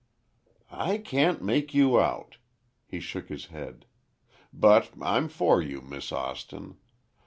"I can't make you out," he shook his head. "But I'm for you, Miss Austin.